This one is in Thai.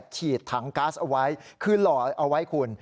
ฉีดถังก๊าซเอาไว้คือหล่อเอาไว้คุณ